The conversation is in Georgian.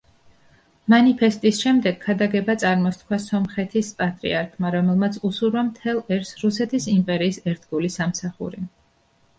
მანიფესტის შემდეგ ქადაგება წარმოსთქვა სომხეთის პატრიარქმა, რომელმაც უსურვა მთელ ერს რუსეთის იმპერიის ერთგული სამსახური.